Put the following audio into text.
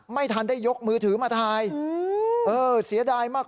แล้วก็เรียกเพื่อนมาอีก๓ลำ